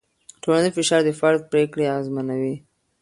ټولنیز فشار د فرد پرېکړې اغېزمنوي.